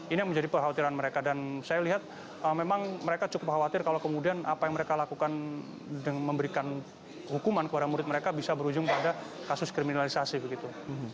ini yang menjadi kekhawatiran mereka dan saya lihat memang mereka cukup khawatir kalau kemudian apa yang mereka lakukan dengan memberikan hukuman kepada murid mereka bisa berujung pada kasus kriminalisasi begitu